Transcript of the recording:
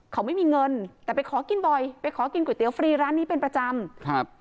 เขาไม่มีเงินแต่ไปขอกินบ่อยไปขอกินก๋วเตี๋ยฟรีร้านนี้เป็นประจำครับ